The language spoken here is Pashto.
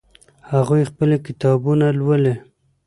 هغوی خپلې کتابونه لولي